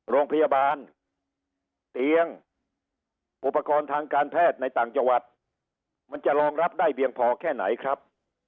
โรงพยาบาลเตียงอุปกรณ์ทางการแพทย์ในต่างจังหวัดมันจะรองรับได้เพียงพอแค่ไหนครับ